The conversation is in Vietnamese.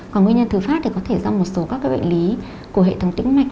còn nguyên nhân thứ phát thì có thể do một số các bệnh lý của hệ thống tĩnh mạch